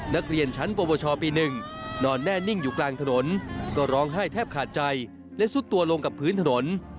นักเรียนชั้นปวชปี๑นอนแน่นิ่งอยู่กลางถนนก็ร้องไห้แทบขาดใจและซุดตัวลงกับพื้นถนน